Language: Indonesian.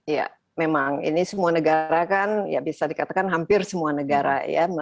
ya memang ini semua negara kan ya bisa dikatakan hampir semua negara ya